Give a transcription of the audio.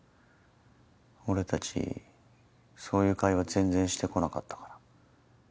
俺たちそういう会話全然してこなかったから。